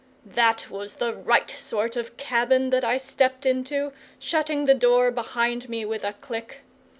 That was the right sort of cabin that I stepped into, shutting the door behind me with a click.